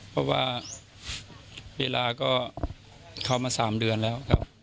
เพราะว่าเวลาก็เข้ามา๓เดือนแล้วครับ